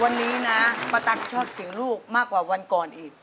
วันนี้นะป้าตั๊กชอบเสียงลูกมากกว่าวันก่อนอีก